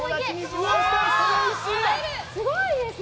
すごいですね！